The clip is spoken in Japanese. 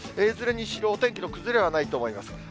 いずれにしろお天気の崩れはないと思います。